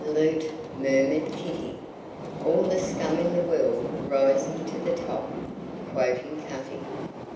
"Loot!" murmured Kitty. "All the scum in the world rising to the top" quoting Cutty.